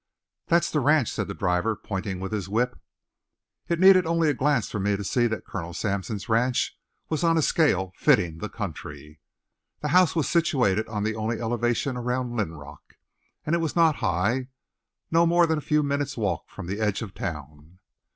"That's the ranch," said the driver, pointing with his whip. It needed only a glance for me to see that Colonel Sampson's ranch was on a scale fitting the country. The house was situated on the only elevation around Linrock, and it was not high, nor more than a few minutes' walk from the edge of town.